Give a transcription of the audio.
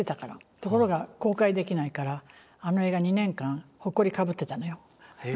ところが公開できないからあの映画２年間ほこりかぶってたのよ。